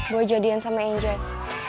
boy jadian sama angel